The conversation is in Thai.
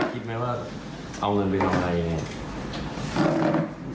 ตอนนี้คิดไหมว่าเอาเงินไปทำอะไรอย่างนี้